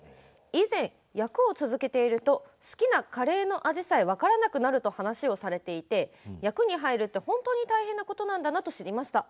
以前、役を続けていると好きなカレーの味さえ分からなくなると話されていて役に入ると本当に大変なことなんだなと知りました。